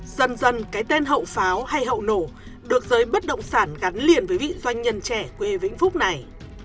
dần dần cái tên hậu pháo hay hậu nổ được giới bất động sản gắn liền với vị doanh nhân trẻ quê vĩnh phúc này